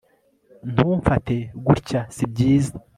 ntumfate gutya sibyiza